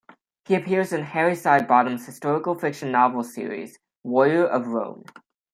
He appears in Harry Sidebottom's historical fiction novel series "Warrior Of Rome".